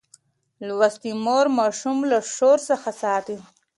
لوستې مور ماشوم له شور څخه ساتي.